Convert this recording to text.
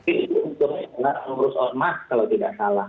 itu uturnya adalah harus ormas kalau tidak salah